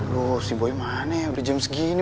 loh si boy mana yang berjam segini